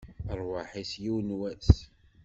Rrwaḥ-is, yiwen n wass!